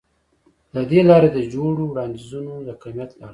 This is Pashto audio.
له دې لارې د جوړو وړاندیزونه د کمیت له اړخه